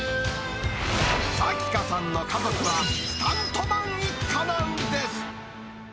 さきかさんの家族はスタントマン一家なんです。